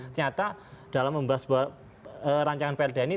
ternyata dalam membuat sebuah rancangan dprd ini